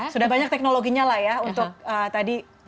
sudah banyak teknologinya untuk